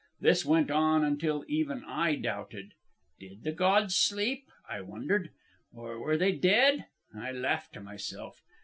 This went on until even I doubted. Did the gods sleep? I wondered. Or were they dead? I laughed to myself.